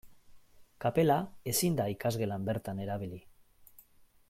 Kapela ezin da ikasgelan bertan erabili.